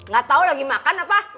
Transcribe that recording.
gak tau lagi makan apa